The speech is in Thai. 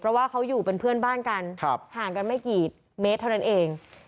เพราะว่าเขาอยู่เป็นเพื่อนบ้านกันห่างกันไม่กี่เมตรเท่านั้นเอง